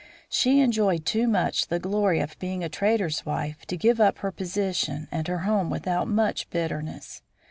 She enjoyed too much the glory of being a trader's wife to give up her position and her home without much bitterness.